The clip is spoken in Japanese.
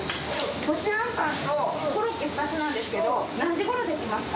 こしあんぱんとコロッケ２つなんですけど、何時ごろ出来ますか？